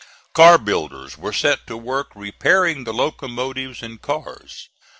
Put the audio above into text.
Car builders were set to work repairing the locomotives and cars.